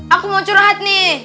aku mau curhat nih